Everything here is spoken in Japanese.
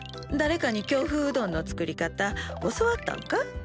だれかに京風うどんの作り方教わったんか？